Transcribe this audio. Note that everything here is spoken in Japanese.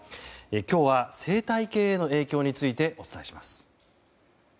今日は生態系への影響についてお伝えします。